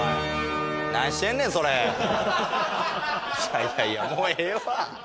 いやいやいやもうええわ！